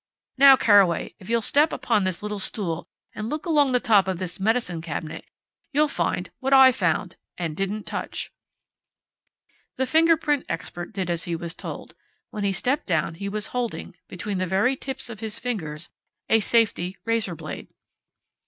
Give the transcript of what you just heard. Now, Carraway, if you'll step upon this little stool and look along the top of this medicine cabinet, you'll find what I found and didn't touch." The fingerprint expert did as he was told. When he stepped down he was holding, between the very tips of his fingers, a safety razor blade.